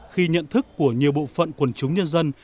khi nhận thức của nhiều bộ phận quần chúng nhân dân